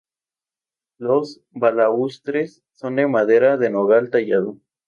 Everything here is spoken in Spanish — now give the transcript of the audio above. Los balaustres son de madera de nogal tallado.